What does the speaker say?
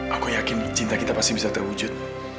aku yakin cinta kita pasti bisa terwujud